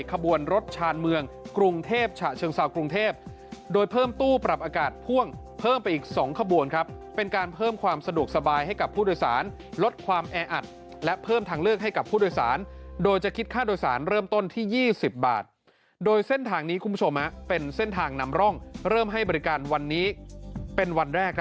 ขบวนรถชาญเมืองกรุงเทพฉะเชิงเซากรุงเทพโดยเพิ่มตู้ปรับอากาศพ่วงเพิ่มไปอีก๒ขบวนครับเป็นการเพิ่มความสะดวกสบายให้กับผู้โดยสารลดความแออัดและเพิ่มทางเลือกให้กับผู้โดยสารโดยจะคิดค่าโดยสารเริ่มต้นที่๒๐บาทโดยเส้นทางนี้คุณผู้ชมเป็นเส้นทางนำร่องเริ่มให้บริการวันนี้เป็นวันแรก